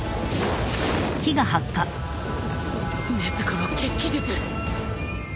禰豆子の血鬼術！